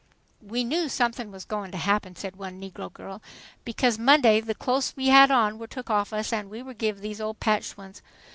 "We knew somethin' was goin' to happen," said one negro girl, "because Monday the close we had on wer' took off us an' we were giv' these old patched ones.